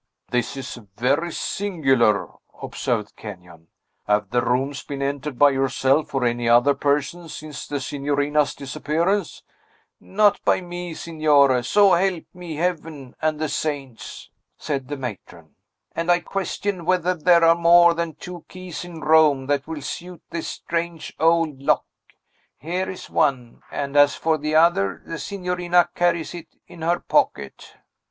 "This is very singular," observed Kenyon. "Have the rooms been entered by yourself, or any other person, since the signorina's disappearance?" "Not by me, Signore, so help me Heaven and the saints!" said the matron. "And I question whether there are more than two keys in Rome that will suit this strange old lock. Here is one; and as for the other, the signorina carlies it in her pocket."